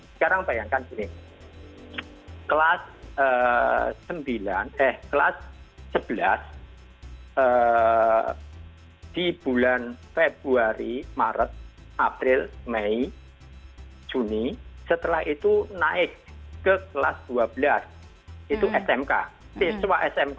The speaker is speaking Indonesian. sekarang bayangkan kelas sebelas di bulan februari maret april mei juni setelah itu naik ke kelas dua belas itu smk siswa smk